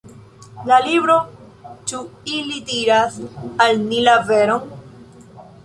La libro Ĉu ili diras al ni la veron?